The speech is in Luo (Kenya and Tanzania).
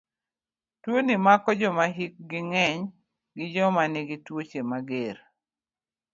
Tuoni mako joma hikgi ng'eny gi joma nigi tuoche mager.